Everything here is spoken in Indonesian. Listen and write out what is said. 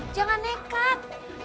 jangan ya kak